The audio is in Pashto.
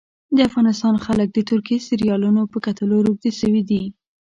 د افغانستان خلک د ترکي سیریالونو په کتلو روږدي سوي دي